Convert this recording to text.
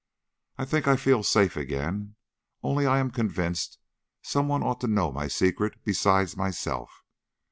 I think I feel safe again, only I am convinced some one ought to know my secret besides myself.